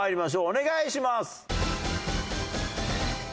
お願いします。